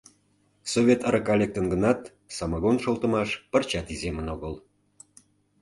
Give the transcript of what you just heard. Совет арака лектын гынат, самогон шолтымаш пырчат иземын огыл.